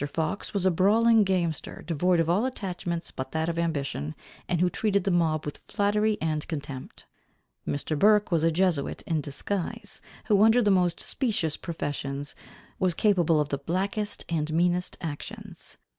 Fox was a brawling gamester, devoid of all attachments but that of ambition, and who treated the mob with flattery and contempt. Mr. Burke was a Jesuit in disguise, who under the most specious professions, was capable of the blackest and meanest actions.